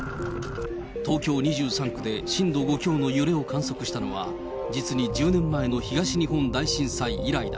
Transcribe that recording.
東京２３区で震度５強の揺れを観測したのは、実に１０年前の東日本大震災以来だ。